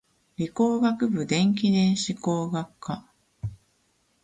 理工学部電気電子工学科